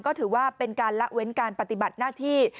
ก็ถือว่าเป็นการละเว้นการปฏิบัติหน้าที่